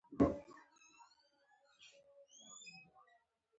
تر درې یا څلور سوه کلونو وروسته لا هم افغانان بولي.